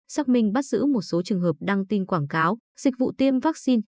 xác minh bắt giữ một số trường hợp đăng tin quảng cáo dịch vụ tiêm vaccine